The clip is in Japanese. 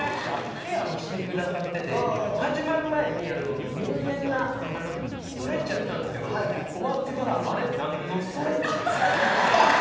ケアもしてくださってて始まる前に入念なストレッチやったんですけど終わってから「あれなんのストレッチ？」。